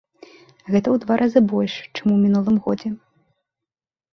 Гэта ў два разы больш, чым у мінулым годзе.